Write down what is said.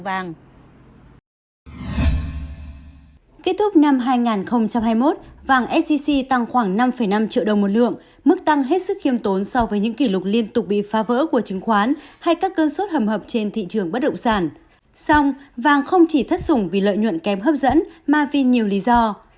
xong vàng không chỉ thất sủng vì lợi nhuận kém hấp dẫn mà vì nhiều lý do